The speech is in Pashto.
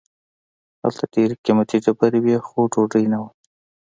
هلته ډیر قیمتي ډبرې وې خو ډوډۍ نه وه.